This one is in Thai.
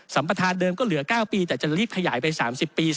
ประธานเดิมก็เหลือ๙ปีแต่จะรีบขยายไป๓๐ปี